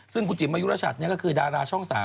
ซึ่งคุณจิ๋มมายุรชัดก็คือดาราช่อง๓